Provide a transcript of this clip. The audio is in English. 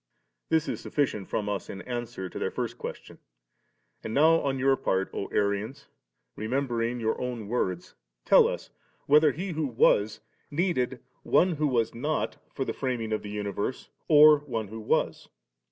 s6. This is sufficient from us in answer to their first question. And now on your part, O Arians, remembering your own words, tell us whether He who was needed one who was not for the framing of the universe^ or one who was?